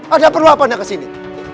ada perlu apa anda ke sini